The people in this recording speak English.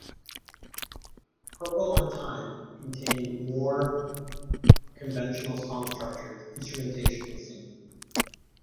Purple on Time contained more conventional song structures, instrumentation and singing.